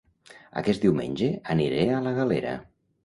Aquest diumenge aniré a La Galera